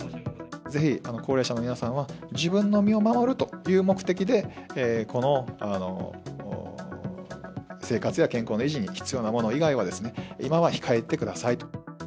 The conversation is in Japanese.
ぜひ、高齢者の皆さんは、自分の身を守るという目的で、この生活や健康の維持に必要なもの以外は、今は控えてください。